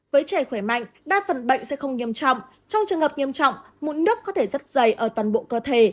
với trẻ khỏe mạnh đa phần bệnh sẽ không nghiêm trọng trong trường hợp nghiêm trọng mụn nước có thể rất dày ở toàn bộ cơ thể